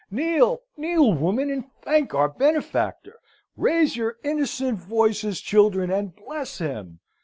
"Kneel, kneel, woman, and thank our benefactor! Raise your innocent voices, children, and bless him!"